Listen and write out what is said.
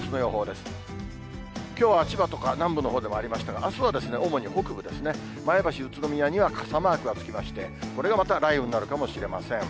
きょうは、千葉とか、南部のほうでありましたが、あすは主に北部ですね、前橋、宇都宮には傘マークがつきまして、これがまた雷雨になるかもしれません。